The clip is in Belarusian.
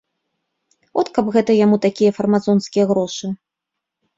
От каб гэта яму такія фармазонскія грошы!